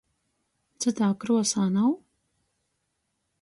Cytā kruosā nav?